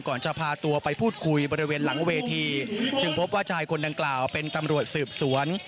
จะพาตัวไปพูดคุยบริเวณหลังเวทีจึงพบว่าชายคนดังกล่าวเป็นตำรวจสืบสวน